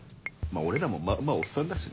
俺らもまあまあおっさんだしな。